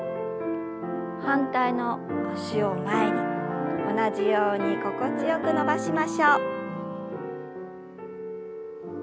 反対の脚を前に同じように心地よく伸ばしましょう。